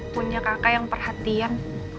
punya kakak yang perhatian